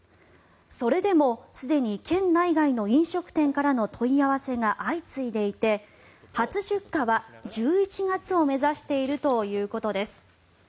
それでも、すでに県内外の飲食店からの問い合わせが相次いでいて初出荷は１１月を目指しているということです。